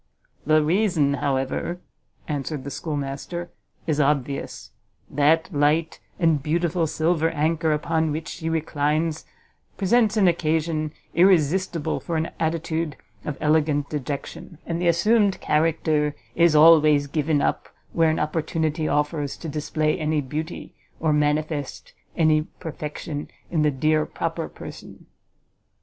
"The reason, however," answered the schoolmaster, "is obvious; that light and beautiful silver anchor upon which she reclines presents an occasion irresistible for an attitude of elegant dejection; and the assumed character is always given up where an opportunity offers to display any beauty, or manifest any perfection in the dear proper person!"